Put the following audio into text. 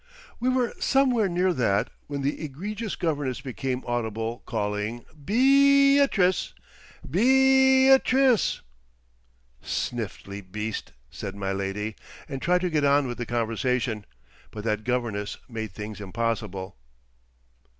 We were somewhere near that when the egregious governess became audible, calling "Beeee âtrice! Beeee e âtrice!" "Snifty beast!" said my lady, and tried to get on with the conversation; but that governess made things impossible.